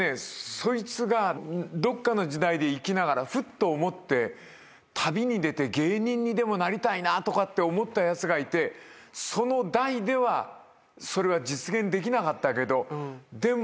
そいつがどっかの時代で生きながらふっと思って旅に出て芸人にでもなりたいなとかって思ったヤツがいてその代ではそれは実現できなかったけどでも。